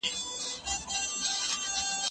زه اجازه لرم چي سبزیجات جمع کړم،